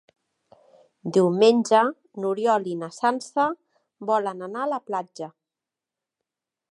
Diumenge n'Oriol i na Sança volen anar a la platja.